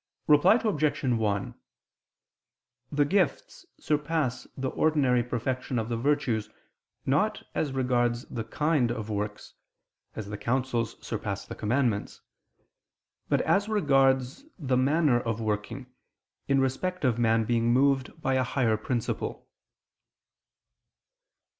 Reply Obj. 1: The gifts surpass the ordinary perfection of the virtues, not as regards the kind of works (as the counsels surpass the commandments), but as regards the manner of working, in respect of man being moved by a higher principle.